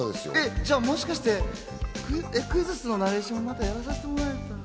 じゃあ、もしかしてクイズッスのナレーション、またやらせてもらえる？